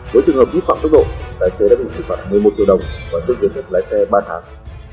với trường hợp dứt khoảng tốc độ đại sế đã bị xử phạt một mươi một triệu đồng và tước diện thật lái xe ba tháng